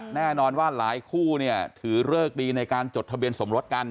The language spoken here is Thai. แน่นอนว่าหลายคู่เนี่ยถือเลิกดีในการจดทะเบียนสมรสกัน